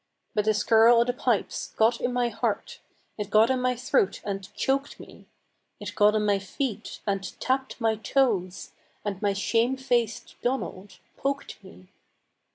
But the skirl o' the pipes got in my heart, It got in my throat and choked me, It got in my feet, and tapped my toes, And my shame faced Donald poked me.